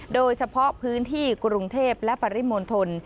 โดยเฉพาะพื้นที่กรุงเทพและปริมณฑล